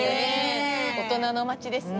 大人の街ですね。